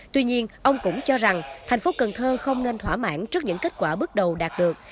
tuy nhiên ông cũng cho rằng tp cn không nên thỏa mãn trước những kết quả bước đầu đạt được